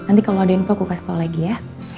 nanti kalo ada info aku kasih tau lagi ya